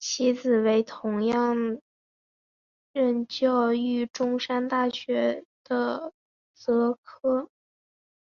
其子为同样任教于中山大学的王则柯。